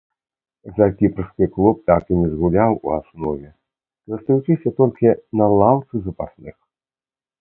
За кіпрскі клуб так і не згуляў у аснове, застаючыся толькі на лаўцы запасных.